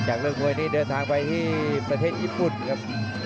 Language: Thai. เรื่องมวยนี้เดินทางไปที่ประเทศญี่ปุ่นครับ